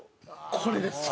これです。